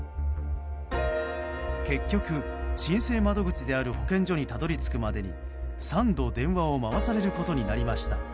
結局、申請窓口である保健所にたどり着くまでに３度、電話を回されることになりました。